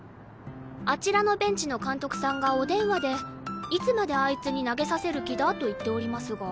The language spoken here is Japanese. あちらのベンチの監督さんがお電話で「いつまであいつに投げさせる気だ？」と言っておりますが。